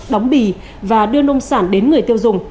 đóng bì và đưa nông sản đến người tiêu dùng